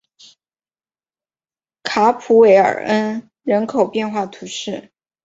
卡普韦尔恩人口变化图示